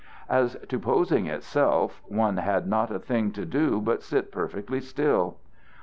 As to posing itself, one had not a thing to do but sit perfectly still!